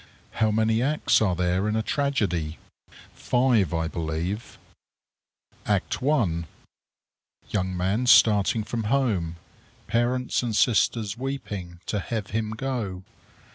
How many acts are there in a tragedy? Five, I believe: ACT I. _Young man starting from home. Parents and sisters weeping to have him go.